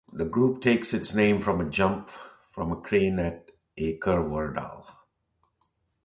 The group takes its name from a jump from a crane at Aker Verdal.